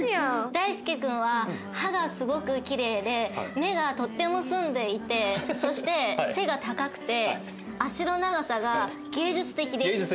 大介君は歯がすごくキレイで目がとっても澄んでいてそして背が高くて足の長さが芸術的です。